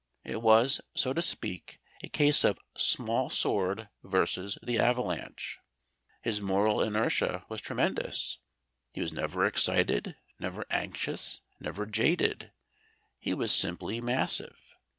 It was, so to speak, a case of small sword versus the avalanche. His moral inertia was tremendous. He was never excited, never anxious, never jaded; he was simply massive.